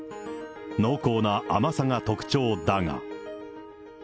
濃厚な甘さが特徴だが。